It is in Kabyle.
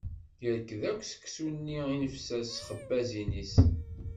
Yerkeḍ akk seksu-nni i nefser s txabbazin-is.